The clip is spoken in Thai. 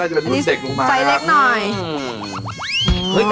อันนี้น่าจะเป็นนุ่นเด็กลงม้าไฟเล็กหน่อย